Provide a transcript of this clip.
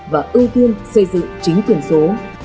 xây dựng chính quyền số